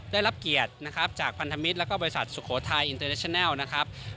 ได้รับเกียรตินะครับจากพันธมิตรแล้วก็บริษัทสุโขทัยอินเตอร์เนชนัลนะครับ